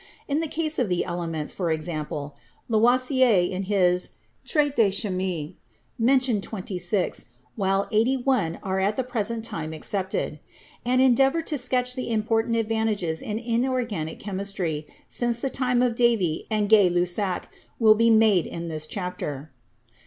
In the case of the elements, for example, Lavoisier in his 'Traite de Chimie' mentioned twenty six, while eighty one are at the present time accepted. An endeavor to sketch the important advances in inorganic chemistry since the time of Davy and Gay Lussac will be made in this chapter.